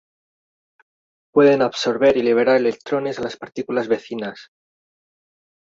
Pueden absorber y liberar electrones a las partículas vecinas.